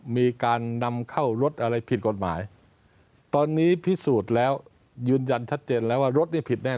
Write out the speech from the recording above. มีการนำเข้ารถอะไรผิดกฎหมายตอนนี้พิสูจน์แล้วยืนยันชัดเจนแล้วว่ารถนี่ผิดแน่